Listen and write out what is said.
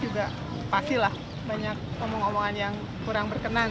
juga pastilah banyak omong omongan yang kurang berkenan